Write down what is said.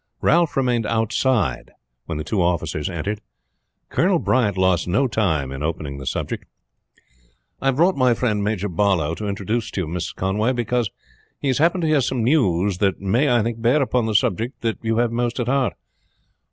Ralph remained outside when the two officers entered. Colonel Bryant lost no time in opening the subject. "I have brought my friend Major Barlow to introduce to you, Mrs. Conway, because he has happened to hear some news that may, I think, bear upon the subject that you have most at heart."